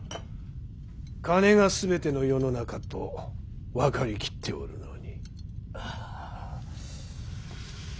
金がすべての世の中と分かりきっておるのに。